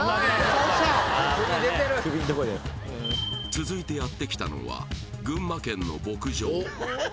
続いてやってきたのは群馬県の牧場